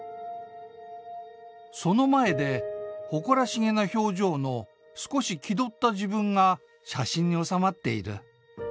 「その前で誇らしげな表情の少し気取った自分が写真に収まっている。